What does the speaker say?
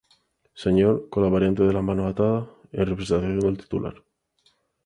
Señor, con la variante de las manos atadas, en representación del titular.